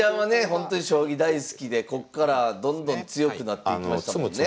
ほんとに将棋大好きでこっからどんどん強くなっていきましたもんね。